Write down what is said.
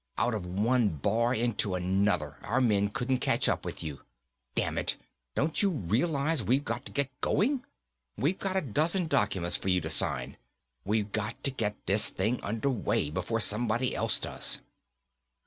"Out of one bar, into another, our men couldn't catch up with you. Dammit, don't you realize we've got to get going? We've got a dozen documents for you to sign. We've got to get this thing underway, before somebody else does."